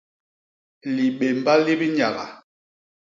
Libémba li bi nyaga.